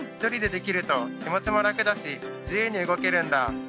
１人でできると気持ちも楽だし自由に動けるんだ。